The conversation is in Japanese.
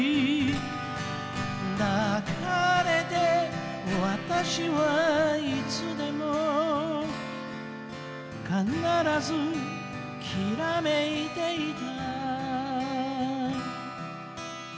「抱かれて私はいつでも必ずきらめいていた」